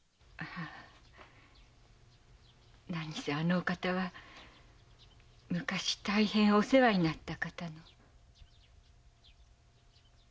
はあ何せあのお方は昔大変お世話になった方の。